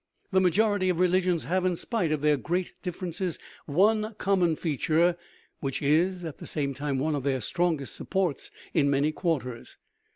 35 THE RIDDLE OF THE UNIVERSE The majority of religions have, in spite of their great differences, one common feature, which is, at the same time, one of their strongest supports in many quarters.